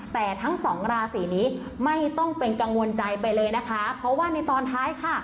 แต่ทั้งสองราศีนี้ไม่ต้องเป็นกังวลใจไปเลยนะคะเพราะว่าในตอนท้ายค่ะ